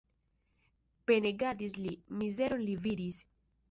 Penegadis li, mizeron li vidis.